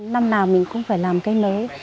năm nào mình cũng phải làm cây mới